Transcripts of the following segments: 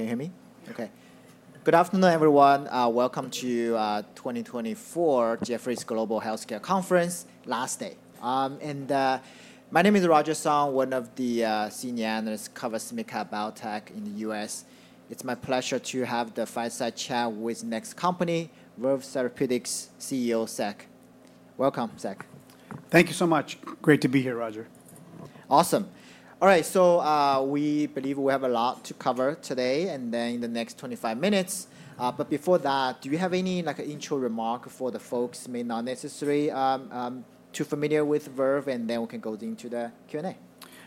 Can you hear me? Okay. Good afternoon, everyone. Welcome to 2024 Jefferies Global Healthcare Conference, last day. My name is Roger Song, one of the senior analysts covering mid-cap biotech in the U.S. It's my pleasure to have the fireside chat with Verve Therapeutics CEO, Sek. Welcome, Sek. Thank you so much. Great to be here, Roger. Awesome. All right, so we believe we have a lot to cover today and then in the next 25 minutes. But before that, do you have any intro remarks for the folks who may not necessarily be too familiar with Verve? And then we can go into the Q&A.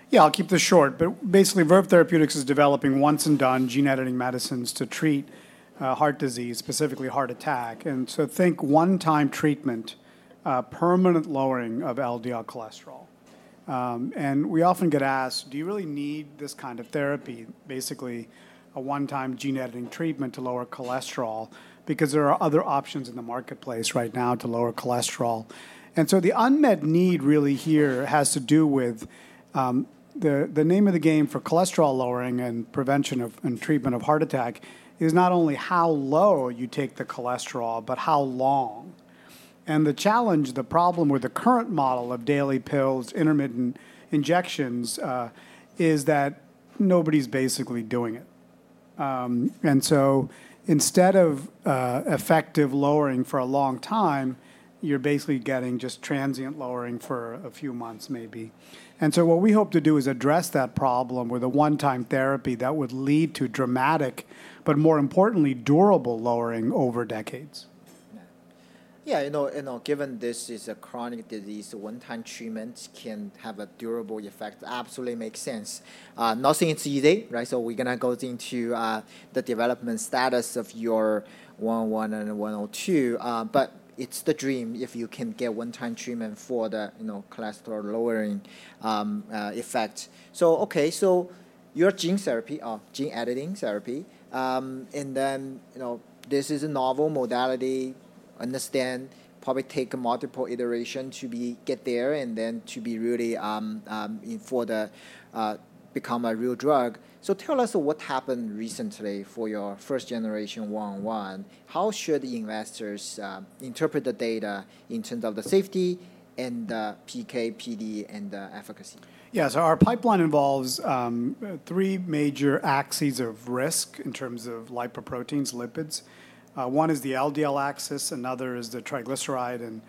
Yeah, I'll keep this short. Basically, Verve Therapeutics is developing once-and-done gene-editing medicines to treat heart disease, specifically heart attack. Think one-time treatment, permanent lowering of LDL cholesterol. We often get asked, do you really need this kind of therapy, basically a one-time gene-editing treatment to lower cholesterol? Because there are other options in the marketplace right now to lower cholesterol. The unmet need really here has to do with the name of the game for cholesterol lowering and prevention and treatment of heart attack is not only how low you take the cholesterol, but how long? The challenge, the problem with the current model of daily pills, intermittent injections, is that nobody's basically doing it. Instead of effective lowering for a long time, you're basically getting just transient lowering for a few months, maybe. What we hope to do is address that problem with a one-time therapy that would lead to dramatic, but more importantly, durable lowering over decades. Yeah, you know, given this is a chronic disease, one-time treatment can have a durable effect. Absolutely makes sense. Nothing is easy, right? So we're going to go into the development status of your 101 and 102. But it's the dream if you can get one-time treatment for the cholesterol lowering effect. So, okay, so your gene therapy, gene-editing therapy. And then this is a novel modality, understand, probably take multiple iterations to get there and then to be really for the become a real drug. So tell us what happened recently for your 1st generation 101. How should investors interpret the data in terms of the safety and the PK/PD and the efficacy? Yeah, so our pipeline involves three major axes of risk in terms of lipoproteins, lipids. One is the LDL axis, another is the triglyceride and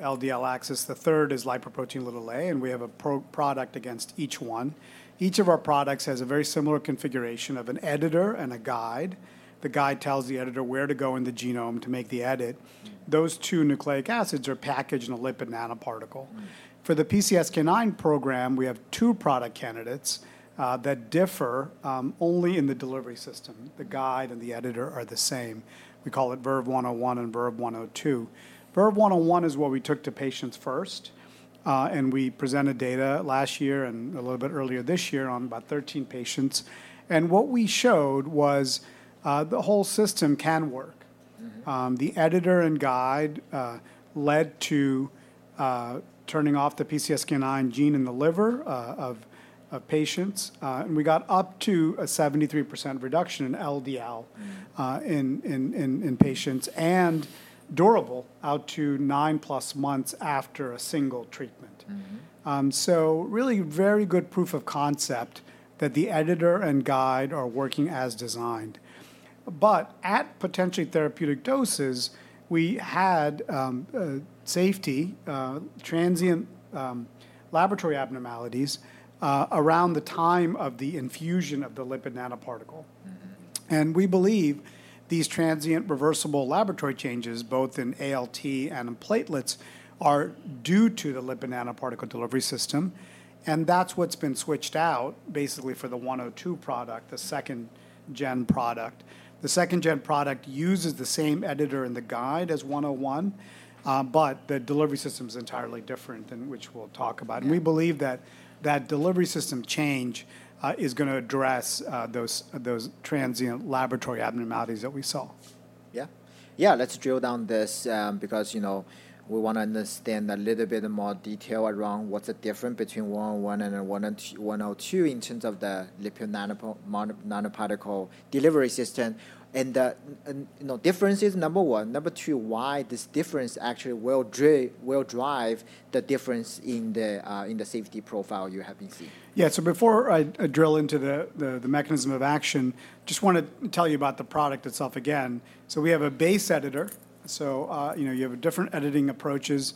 LDL axis. The third is Lipoprotein(a). And we have a product against each one. Each of our products has a very similar configuration of an editor and a guide. The guide tells the editor where to go in the genome to make the edit. Those two nucleic acids are packaged in a lipid nanoparticle. For the PCSK9 program, we have two product candidates that differ only in the delivery system. The guide and the editor are the same. We call it VERVE-101 and VERVE-102. VERVE-101 is what we took to patients first. And we presented data last year and a little bit earlier this year on about 13 patients. And what we showed was the whole system can work. The editor and guide led to turning off the PCSK9 gene in the liver of patients. We got up to a 73% reduction in LDL in patients and durable out to 9+ months after a single treatment. Really very good proof of concept that the editor and guide are working as designed. But at potentially therapeutic doses, we had safety, transient laboratory abnormalities around the time of the infusion of the lipid nanoparticle. We believe these transient reversible laboratory changes, both in ALT and in platelets, are due to the lipid nanoparticle delivery system. That's what's been switched out basically for the 102 product, the 2nd-gen product. The 2nd-gen product uses the same editor and the guide as 101, but the delivery system is entirely different, which we'll talk about. We believe that that delivery system change is going to address those transient laboratory abnormalities that we saw. Yeah, yeah, let's drill down this because we want to understand a little bit more detail around what's the difference between 101 and 102 in terms of the lipid nanoparticle delivery system. And the difference is number one. Number two, why this difference actually will drive the difference in the safety profile you have been seeing. Yeah, so before I drill into the mechanism of action, just want to tell you about the product itself again. So we have a base editor. So you have different editing approaches.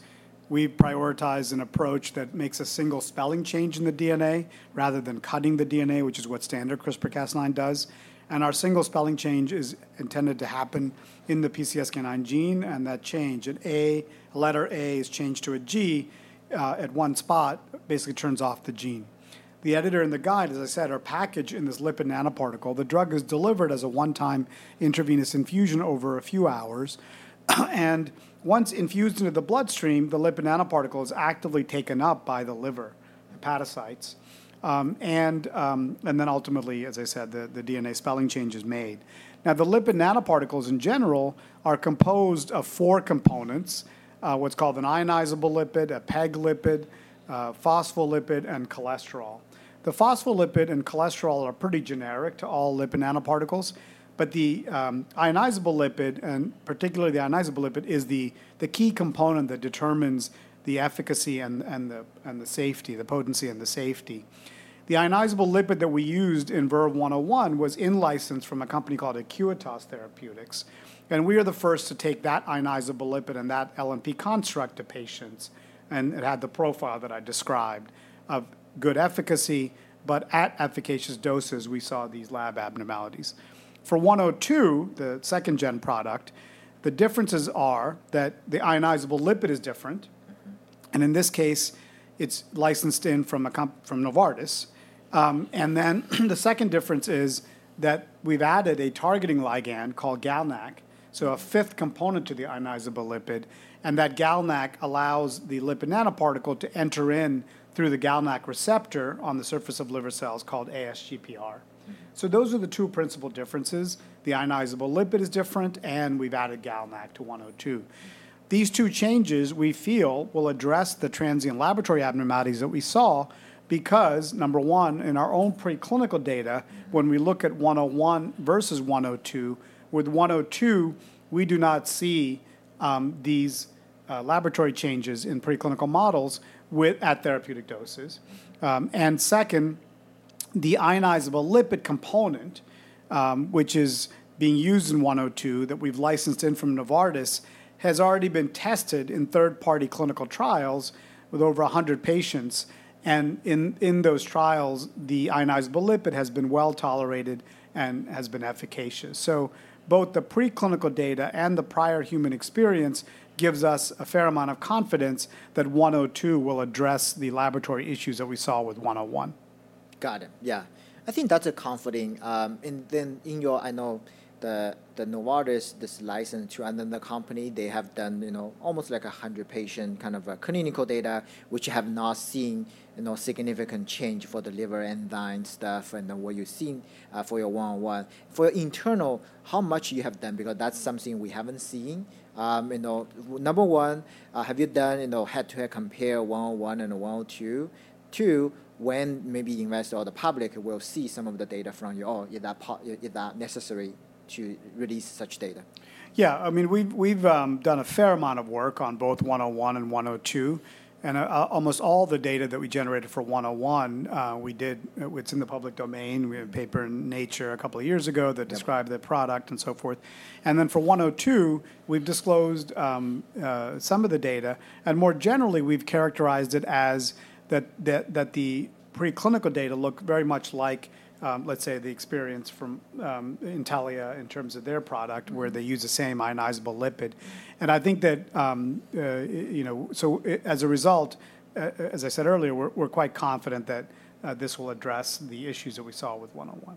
We prioritize an approach that makes a single spelling change in the DNA rather than cutting the DNA, which is what standard CRISPR-Cas9 does. And our single spelling change is intended to happen in the PCSK9 gene. And that change, an A, letter A is changed to a G at one spot, basically turns off the gene. The editor and the guide, as I said, are packaged in this lipid nanoparticle. The drug is delivered as a one-time intravenous infusion over a few hours. And once infused into the bloodstream, the lipid nanoparticle is actively taken up by the liver, hepatocytes. And then ultimately, as I said, the DNA spelling change is made. Now, the lipid nanoparticles in general are composed of four components, what's called an ionizable lipid, a PEG lipid, phospholipid, and cholesterol. The phospholipid and cholesterol are pretty generic to all lipid nanoparticles. But the ionizable lipid, and particularly the ionizable lipid, is the key component that determines the efficacy and the safety, the potency and the safety. The ionizable lipid that we used in VERVE-101 was in-licensed from a company called Acuitas Therapeutics. And we are the first to take that ionizable lipid and that LNP construct to patients. And it had the profile that I described of good efficacy. But at efficacious doses, we saw these lab abnormalities. For 102, the 2nd-gen product, the differences are that the ionizable lipid is different. And in this case, it's licensed in from Novartis. And then the second difference is that we've added a targeting ligand called GalNAc, so a fifth component to the ionizable lipid. And that GalNAc allows the lipid nanoparticle to enter in through the GalNAc receptor on the surface of liver cells called ASGPR. So those are the two principal differences. The ionizable lipid is different, and we've added GalNAc to 102. These two changes, we feel, will address the transient laboratory abnormalities that we saw because, number one, in our own preclinical data, when we look at 101 versus 102, with 102, we do not see these laboratory changes in preclinical models at therapeutic doses. And second, the ionizable lipid component, which is being used in 102 that we've licensed in from Novartis, has already been tested in third-party clinical trials with over 100 patients. In those trials, the ionizable lipid has been well tolerated and has been efficacious. Both the preclinical data and the prior human experience gives us a fair amount of confidence that 102 will address the laboratory issues that we saw with 101. Got it. Yeah, I think that's a confidence. And then in your, I know the Novartis, this license to another company, they have done almost like 100-patient kind of clinical data, which have not seen significant change for the liver enzyme stuff and what you've seen for your 101. For your internal, how much you have done, because that's something we haven't seen. Number one, have you done head-to-head compare 101 and 102? Two, when maybe investors or the public will see some of the data from you, is that necessary to release such data? Yeah, I mean, we've done a fair amount of work on both 101 and 102. And almost all the data that we generated for 101, we did, it's in the public domain. We had a paper in Nature a couple of years ago that described the product and so forth. And then for 102, we've disclosed some of the data. And more generally, we've characterized it as that the preclinical data look very much like, let's say, the experience from Intellia in terms of their product, where they use the same ionizable lipid. And I think that, so as a result, as I said earlier, we're quite confident that this will address the issues that we saw with 101.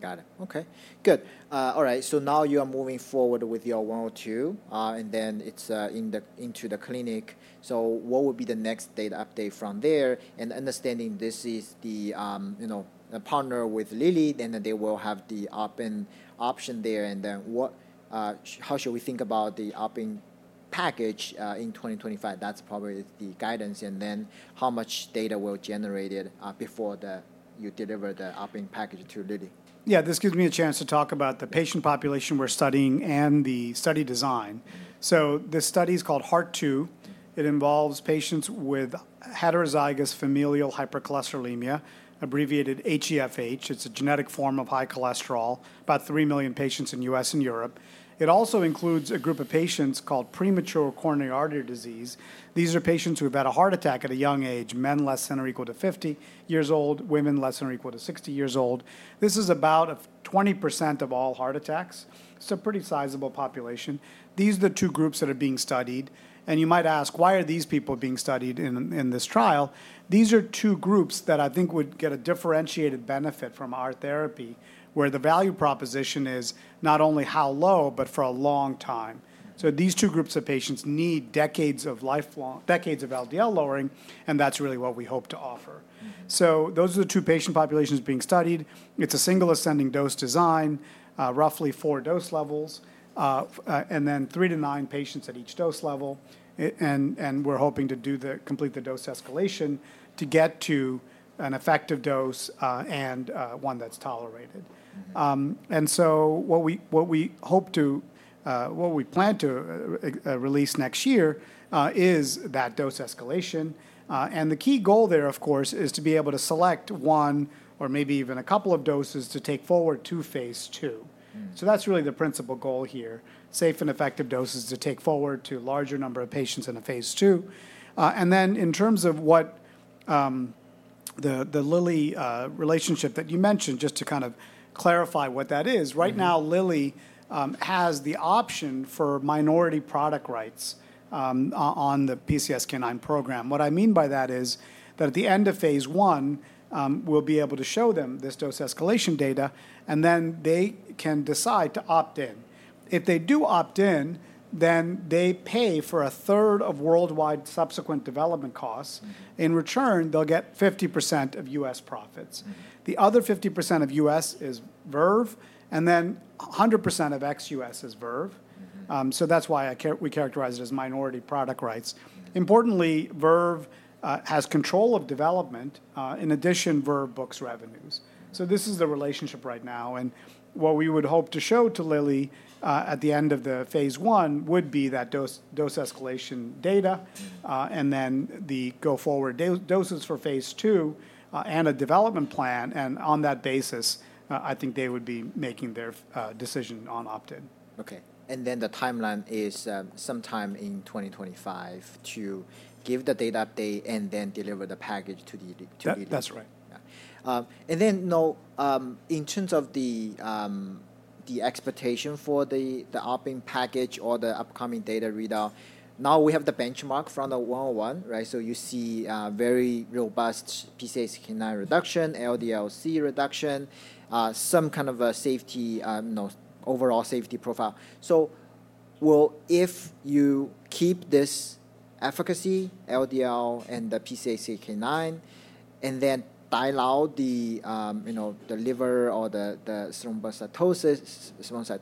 Got it. Okay, good. All right, so now you are moving forward with your 102, and then it's into the clinic. So what will be the next data update from there? And understanding this is the partner with Lilly, then they will have the opt-in option there. And then how should we think about the opt-in package in 2025? That's probably the guidance. And then how much data will be generated before you deliver the opt-in package to Lilly? Yeah, this gives me a chance to talk about the patient population we're studying and the study design. So this study is called HEART-2. It involves patients with heterozygous familial hypercholesterolemia, abbreviated HeFH. It's a genetic form of high cholesterol, about three million patients in the U.S. and Europe. It also includes a group of patients called premature coronary artery disease. These are patients who have had a heart attack at a young age, men less than or equal to 50 years old, women less than or equal to 60 years old. This is about 20% of all heart attacks. It's a pretty sizable population. These are the two groups that are being studied. And you might ask, why are these people being studied in this trial? These are two groups that I think would get a differentiated benefit from our therapy, where the value proposition is not only how low, but for a long time. So these two groups of patients need decades of LDL lowering, and that's really what we hope to offer. So those are the two patient populations being studied. It's a single ascending dose design, roughly four dose levels, and then 3-9 patients at each dose level. And we're hoping to complete the dose escalation to get to an effective dose and one that's tolerated. And so what we hope to, what we plan to release next year is that dose escalation. And the key goal there, of course, is to be able to select one or maybe even a couple of doses to take forward to phase two. So that's really the principal goal here, safe and effective doses to take forward to a larger number of patients in a phase two. And then in terms of what the Lilly relationship that you mentioned, just to kind of clarify what that is, right now Lilly has the option for minority product rights on the PCSK9 program. What I mean by that is that at the end of phase one, we'll be able to show them this dose escalation data, and then they can decide to opt-in. If they do opt-in, then they pay for a third of worldwide subsequent development costs. In return, they'll get 50% of US profits. The other 50% of U.S. is Verve, and then 100% of ex-U.S. is Verve. So that's why we characterize it as minority product rights. Importantly, Verve has control of development. In addition, Verve Books revenues. This is the relationship right now. What we would hope to show to Lilly at the end of phase one would be that dose escalation data and then the go forward doses for phase two and a development plan. On that basis, I think they would be making their decision on opt-in. Okay, and then the timeline is sometime in 2025 to give the data update and then deliver the package to Lilly. That's right. And then in terms of the expectation for the opt-in package or the upcoming data readout, now we have the benchmark from the 101, right? So you see very robust PCSK9 reduction, LDL-C reduction, some kind of a safety, overall safety profile. So if you keep this efficacy, LDL and the PCSK9, and then dial out the liver or the thrombocytosis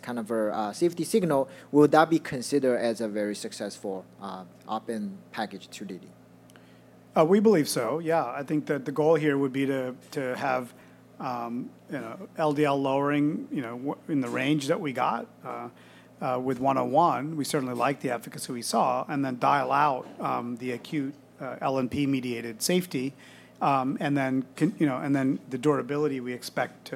kind of a safety signal, will that be considered as a very successful opt-in package to Lilly? We believe so, yeah. I think that the goal here would be to have LDL lowering in the range that we got with 101. We certainly like the efficacy we saw and then dial out the acute LNP-mediated safety. The durability we expect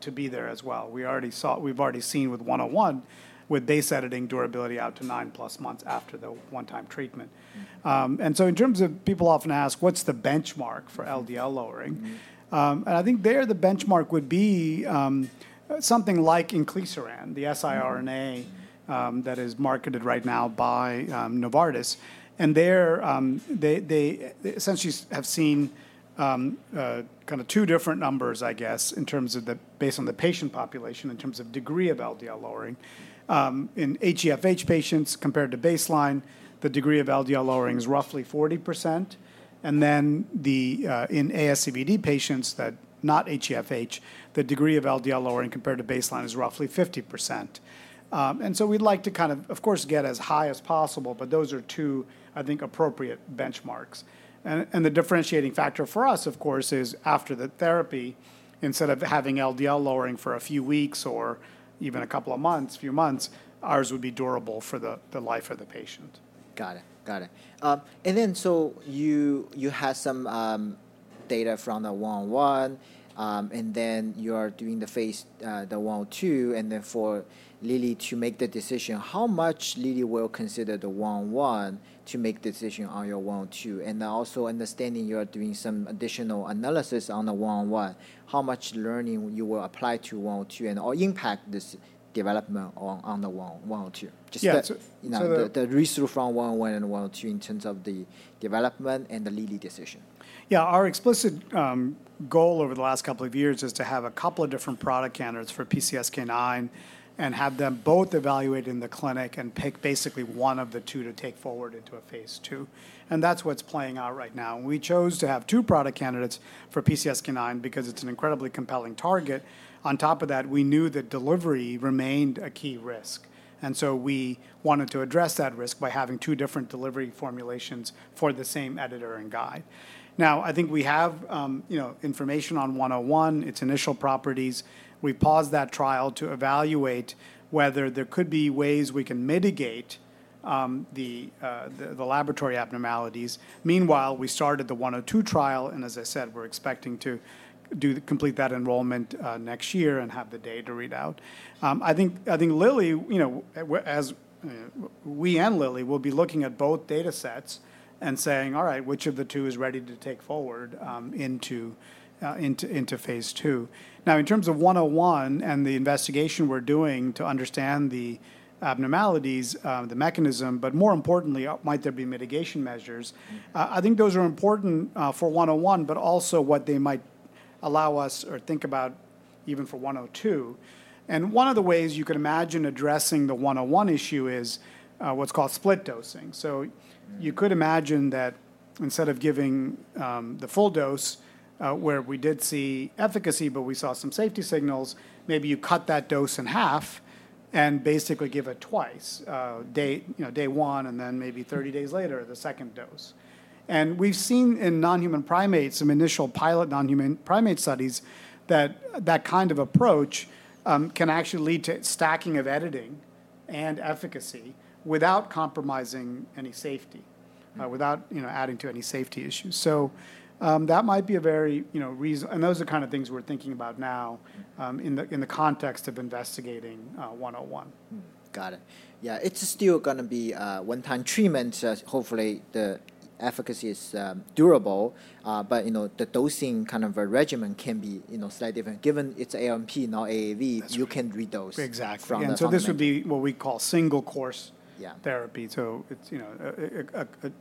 to be there as well. We've already seen with 101 with base editing durability out to 9+ months after the one-time treatment. So in terms of people often ask, what's the benchmark for LDL lowering? I think there the benchmark would be something like Inclisiran, the siRNA that is marketed right now by Novartis. They essentially have seen kind of two different numbers, I guess, in terms of the based on the patient population, in terms of degree of LDL lowering. In HeFH patients, compared to baseline, the degree of LDL lowering is roughly 40%. In ASCVD patients, not HeFH, the degree of LDL lowering compared to baseline is roughly 50%. We'd like to kind of, of course, get as high as possible, but those are two, I think, appropriate benchmarks. The differentiating factor for us, of course, is after the therapy, instead of having LDL lowering for a few weeks or even a couple of months, a few months, ours would be durable for the life of the patient. Got it, got it. And then so you have some data from the 101, and then you are doing the phase, the 102, and then for Lilly to make the decision, how much Lilly will consider the 101 to make the decision on your 102? And also understanding you are doing some additional analysis on the 101, how much learning you will apply to 102 and/or impact this development on the 102? Yeah, absolutely. The risk from 101 and 102 in terms of the development and the Lilly decision. Yeah, our explicit goal over the last couple of years is to have a couple of different product candidates for PCSK9 and have them both evaluate in the clinic and pick basically one of the two to take forward into a phase two. That's what's playing out right now. We chose to have two product candidates for PCSK9 because it's an incredibly compelling target. On top of that, we knew that delivery remained a key risk. So we wanted to address that risk by having two different delivery formulations for the same editor and guide. Now, I think we have information on 101, its initial properties. We paused that trial to evaluate whether there could be ways we can mitigate the laboratory abnormalities. Meanwhile, we started the 102 trial. As I said, we're expecting to complete that enrollment next year and have the data readout. I think Lilly, as we and Lilly, will be looking at both data sets and saying, all right, which of the two is ready to take forward into phase two. Now, in terms of 101 and the investigation we're doing to understand the abnormalities, the mechanism, but more importantly, might there be mitigation measures? I think those are important for 101, but also what they might allow us or think about even for 102. And one of the ways you could imagine addressing the 101 issue is what's called split dosing. So you could imagine that instead of giving the full dose, where we did see efficacy, but we saw some safety signals, maybe you cut that dose in half and basically give it twice, day one, and then maybe 30 days later, the second dose. We've seen in non-human primates, some initial pilot non-human primate studies, that that kind of approach can actually lead to stacking of editing and efficacy without compromising any safety, without adding to any safety issues. That might be a very reason, and those are the kind of things we're thinking about now in the context of investigating 101. Got it. Yeah, it's still going to be one-time treatment. Hopefully, the efficacy is durable, but the dosing kind of regimen can be slightly different. Given it's LNP, not AAV, you can re-dose. Exactly. This would be what we call single course therapy.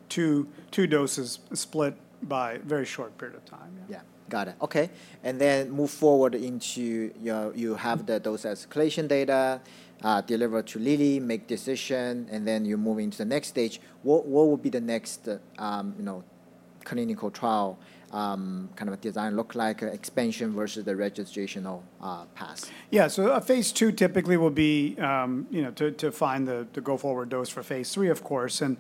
Two doses split by a very short period of time. Yeah, got it. Okay, and then move forward into you have the dose escalation data, deliver to Lilly, make decision, and then you move into the next stage. What would be the next clinical trial kind of design look like, expansion versus the registrational pass? Yeah, so phase two typically will be to find the go forward dose for phase three, of course. And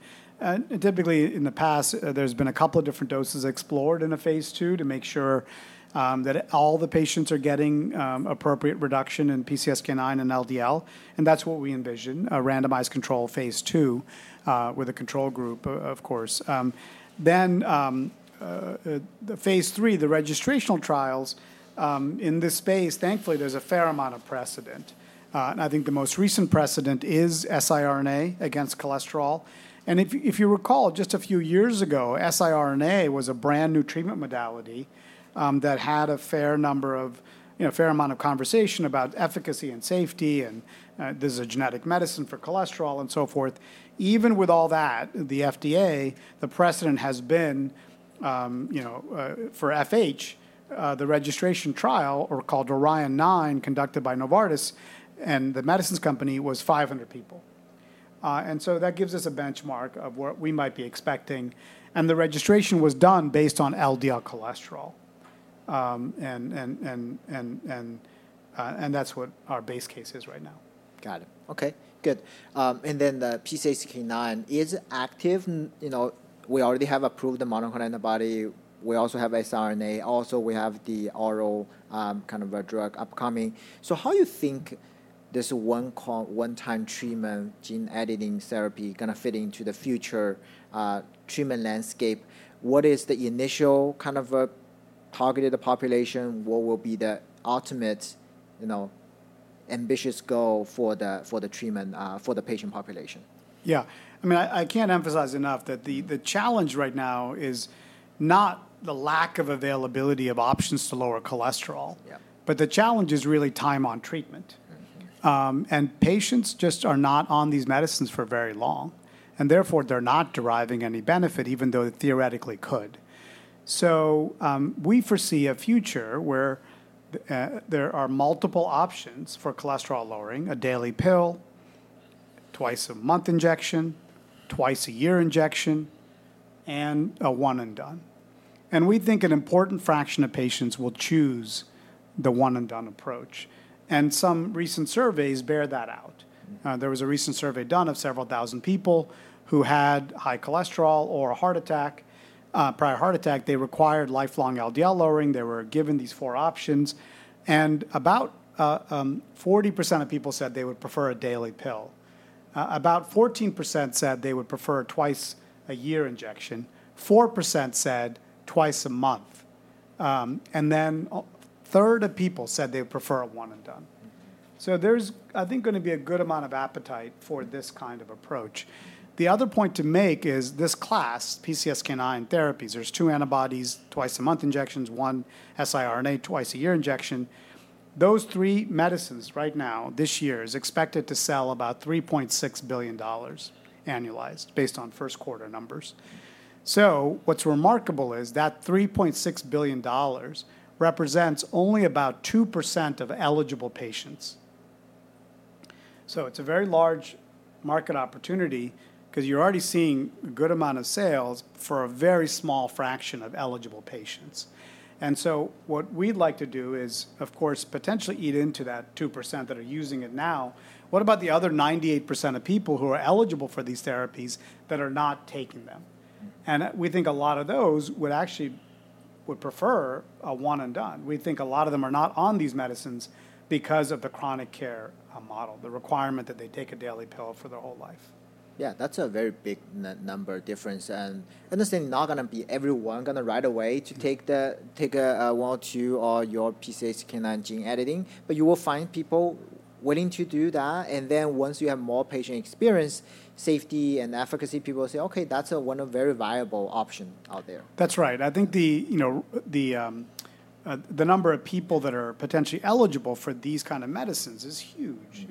typically in the past, there's been a couple of different doses explored in a phase two to make sure that all the patients are getting appropriate reduction in PCSK9 and LDL. And that's what we envision, a randomized control phase two with a control group, of course. Then phase three, the registrational trials, in this space, thankfully, there's a fair amount of precedent. And I think the most recent precedent is siRNA against cholesterol. And if you recall, just a few years ago, siRNA was a brand new treatment modality that had a fair number of, fair amount of conversation about efficacy and safety, and this is a genetic medicine for cholesterol and so forth. Even with all that, the FDA precedent has been for FH, the registration trial, or called Orion 9, conducted by Novartis and the Medicines Company, was 500 people. So that gives us a benchmark of what we might be expecting. The registration was done based on LDL cholesterol. That's what our base case is right now. Got it. Okay, good. And then the PCSK9 is active. We already have approved the monoclonal antibody. We also have siRNA. Also, we have the oral kind of a drug upcoming. So how do you think this one-time treatment gene editing therapy is going to fit into the future treatment landscape? What is the initial kind of targeted population? What will be the ultimate ambitious goal for the treatment for the patient population? Yeah, I mean, I can't emphasize enough that the challenge right now is not the lack of availability of options to lower cholesterol, but the challenge is really time on treatment. And patients just are not on these medicines for very long, and therefore they're not deriving any benefit, even though they theoretically could. So we foresee a future where there are multiple options for cholesterol lowering, a daily pill, twice a month injection, twice a year injection, and a one and done. And we think an important fraction of patients will choose the one and done approach. And some recent surveys bear that out. There was a recent survey done of several thousand people who had high cholesterol or a prior heart attack. They required lifelong LDL lowering. They were given these four options. And about 40% of people said they would prefer a daily pill. About 14% said they would prefer a twice-a-year injection, 4% said twice a month. And then a third of people said they would prefer a one-and-done. So there's, I think, going to be a good amount of appetite for this kind of approach. The other point to make is this class, PCSK9 therapies, there's two antibodies, twice a month injections, one siRNA, twice a year injection. Those three medicines right now, this year, are expected to sell about $3.6 billion annualized based on first quarter numbers. So what's remarkable is that $3.6 billion represents only about 2% of eligible patients. So it's a very large market opportunity because you're already seeing a good amount of sales for a very small fraction of eligible patients. And so what we'd like to do is, of course, potentially eat into that 2% that are using it now. What about the other 98% of people who are eligible for these therapies that are not taking them? We think a lot of those would actually prefer a one and done. We think a lot of them are not on these medicines because of the chronic care model, the requirement that they take a daily pill for their whole life. Yeah, that's a very big number difference. And I understand not going to be everyone going to right away to take a 102 or your PCSK9 gene editing, but you will find people willing to do that. And then once you have more patient experience, safety and efficacy, people will say, okay, that's one of very viable options out there. That's right. I think the number of people that are potentially eligible for these kinds of medicines is huge.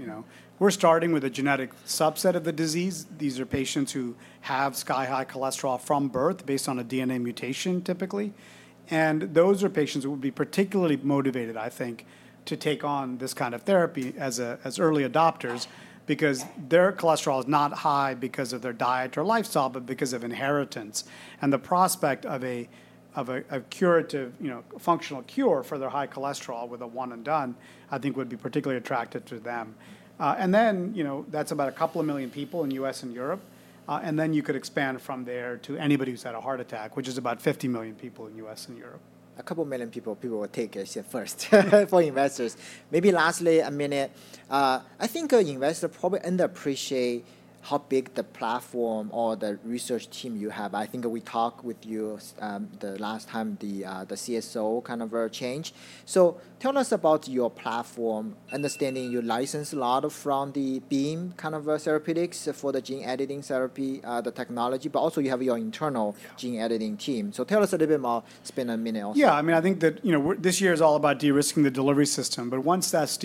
We're starting with a genetic subset of the disease. These are patients who have sky-high cholesterol from birth based on a DNA mutation, typically. Those are patients who would be particularly motivated, I think, to take on this kind of therapy as early adopters because their cholesterol is not high because of their diet or lifestyle, but because of inheritance. The prospect of a curative, functional cure for their high cholesterol with a one and done, I think, would be particularly attractive to them. That's about a couple of million people in the U.S. and Europe. Then you could expand from there to anybody who's had a heart attack, which is about 50 million people in the U.S. and Europe. A couple of million people, will take it first. For investors, maybe lastly, I mean, I think investors probably underappreciate how big the platform or the research team you have. I think we talked with you the last time, the CSO kind of changed. So tell us about your platform, understanding your license from Beam Therapeutics for the gene editing therapy, the technology, but also you have your internal gene editing team. So tell us a little bit more, spend a minute. Yeah, I mean, I think that this year is all about de-risking the delivery system. But once that's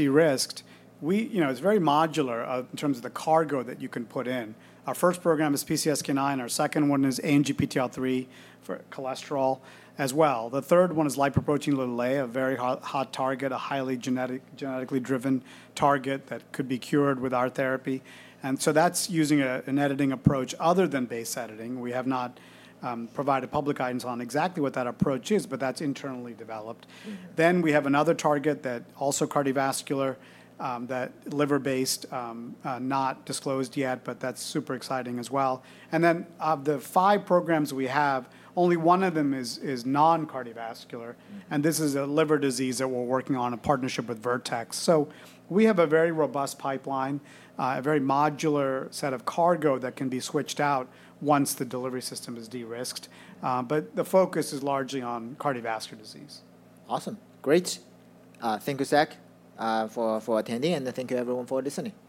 de-risked, it's very modular in terms of the cargo that you can put in. Our first program is PCSK9. Our second one is ANGPTL3 for cholesterol as well. The third one is Lipoprotein(a), a very hot target, a highly genetically driven target that could be cured with our therapy. And so that's using an editing approach other than base editing. We have not provided public guidance on exactly what that approach is, but that's internally developed. Then we have another target that's also cardiovascular, that's liver-based, not disclosed yet, but that's super exciting as well. And then of the five programs we have, only one of them is non-cardiovascular. And this is a liver disease that we're working on a partnership with Vertex. So we have a very robust pipeline, a very modular set of cargo that can be switched out once the delivery system is de-risked. But the focus is largely on cardiovascular disease. Awesome. Great. Thank you, Sek, for attending, and thank you, everyone, for listening.